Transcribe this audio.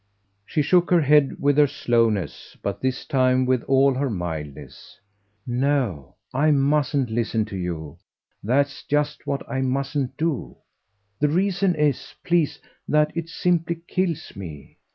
She shook her head with her slowness, but this time with all her mildness. "No, I mustn't listen to you that's just what I mustn't do. The reason is, please, that it simply kills me.